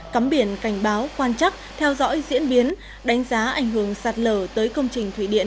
cắm biển cảnh báo quan chắc theo dõi diễn biến đánh giá ảnh hưởng sạt lở tới công trình thủy điện